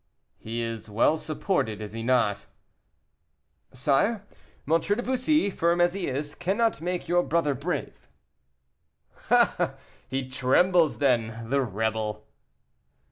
"He is well supported, is he not?" "Sire, M. de Bussy, firm as he is, cannot make your brother brave." "Ah! he trembles, then, the rebel."